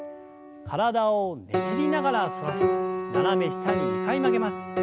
体をねじりながら反らせ斜め下に２回曲げます。